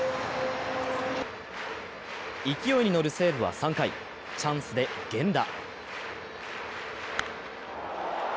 勢いに乗る西武は３回、チャンスで源田。